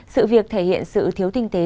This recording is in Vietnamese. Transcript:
sự việc thể hiện sự thiếu tinh tế